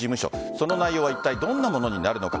その内容はいったいどんなものになるのか。